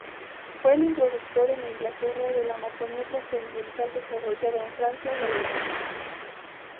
Fue el introductor en Inglaterra de la anatomía trascendental desarrollada en Francia y Alemania.